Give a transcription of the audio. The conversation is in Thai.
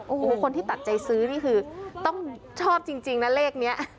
โอ้โหคนที่ตัดใจซื้อนี่คือต้องชอบจริงนะเลขนี้